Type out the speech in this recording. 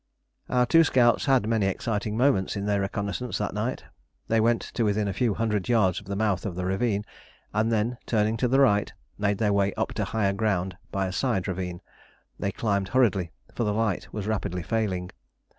Our two scouts had many exciting moments in their reconnaissance that night. They went to within a few hundred yards of the mouth of the ravine, and then, turning to the right, made their way up to higher ground by a side ravine. They climbed hurriedly, for the light was rapidly failing.